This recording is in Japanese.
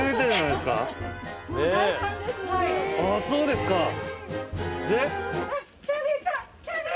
そうですか。